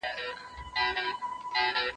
د هغوی به پر اغزیو وي خوبونه